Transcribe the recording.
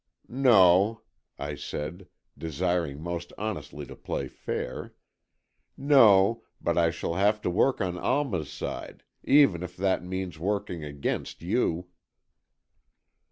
"No," I said, desiring most honestly to play fair, "no, but I shall have to work on Alma's side, even if that means working against you."